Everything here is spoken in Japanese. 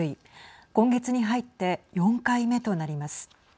今月に入って４回目となります。